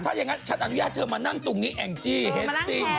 ถ้าอย่างนั้นฉันอนุญาตเธอมานั่งตรงนี้แองจี้เฮสติ้ง